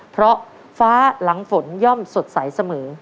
เพราะฟ้าหลังฝนย่อมสดใสเสมอ